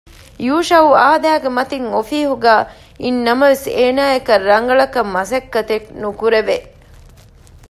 ޔޫޝައު އާދައިގެ މަތިން އޮފީހުގައި އިންނަމަވެސް އޭނާއަކަށް ރަނގަޅަކަށް މަސައްކަތެއް ނުކުރެވެ